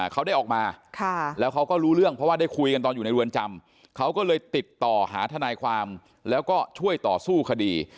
เขาได้ออกมาแล้วเขาก็รู้เรื่องเพราะว่าได้คุยกันตอนอยู่ในเรือนจำเขาก็เลยติดต่อหาทนายความแล้วก็ช่วยต่อสู้คดี